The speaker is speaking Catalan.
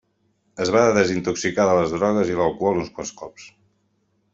Es va desintoxicar de les drogues i l'alcohol uns quants cops.